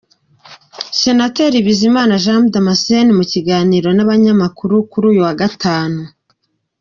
Senateri Bizimana J Damascene mu kiganiro n’abanyamakuru kuri uyu wa gatanu.